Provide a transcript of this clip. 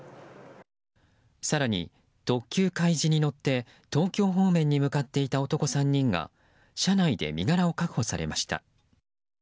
更に特急「かいじ」に乗って東京方面に向かっていた男３人が車内で身柄を確保されました。